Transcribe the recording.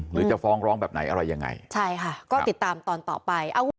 หรือจะฟ้องร้องแบบไหนอะไรยังไงใช่ค่ะก็ติดตามตอนต่อไปอาวุธ